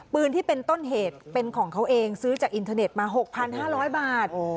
ปืนที่เป็นต้นเหตุเป็นของเขาเองซื้อจากอินเทอร์เน็ตมา๖๕๐๐บาท